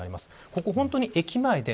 ここは本当に駅前で